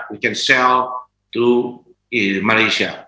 kita bisa jual ke malaysia